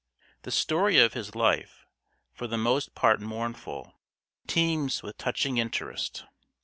The story of his life for the most part mournful teems with touching interest.